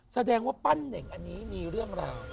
แสดงว่าปั้นเน่งอันนี้มีเรื่องราว